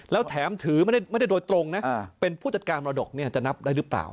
แล้วแถมถือไม่ได้โดยตรงนะเป็นผู้จัดการมรดกจะนับได้หรือเปล่า